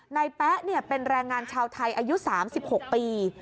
แป๊ะเป็นแรงงานชาวไทยอายุ๓๖ปี